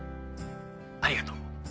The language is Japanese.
「ありがとう」。